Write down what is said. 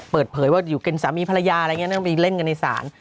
เปิดเผยว่าอยู่เป็นสามีภรรยาอะไรอย่างนี้นั่งไปเล่นกันในศาล